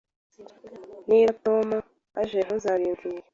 Niba Tom aje, ntuzabimbwira?